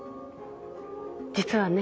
実はね